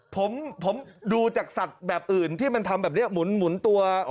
ผมผมดูจากสัตว์แบบอื่นที่มันทำแบบเนี้ยหมุนหมุนตัวอ๋อ